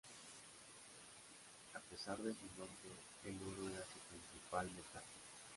A pesar de su nombre, el oro era su principal metal.